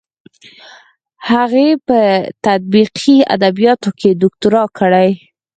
هغې په تطبیقي ادبیاتو کې دوکتورا کړې ده.